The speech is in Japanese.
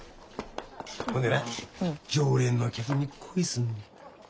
ほんでな常連のお客に恋すんねん。